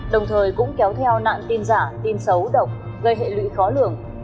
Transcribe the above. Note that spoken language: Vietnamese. đồng thời cũng kéo theo nạn tin giả tin xấu độc gây hệ lụy khó lường